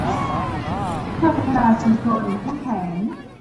เพื่อพัฒนาชุมชนเข้มแข็ง